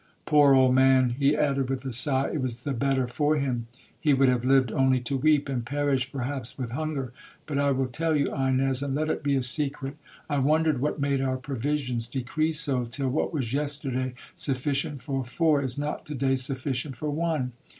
Poor old man,' he added with a sigh, 'it was the better for him,—he would have lived only to weep, and perish perhaps with hunger. But I will tell you, Ines,—and let it be a secret, I wondered what made our provisions decrease so, till what was yesterday sufficient for four, is not to day sufficient for one.